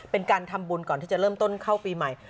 เป็นการทำบุญก่อนที่จะเริ่มต้นเข้าปีใหม่